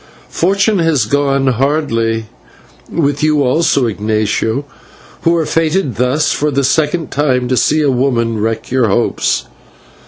Fortune has gone hardly with you also, Ignatio, who are fated thus for the second time to see a woman wreck your hopes.